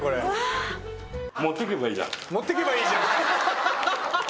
「持ってけばいいじゃん」ハハハ！